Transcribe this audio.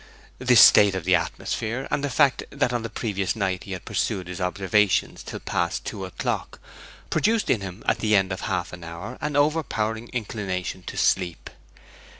This state of the atmosphere, and the fact that on the previous night he had pursued his observations till past two o'clock, produced in him at the end of half an hour an overpowering inclination to sleep.